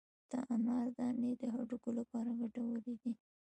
د انار دانې د هډوکو لپاره ګټورې دي.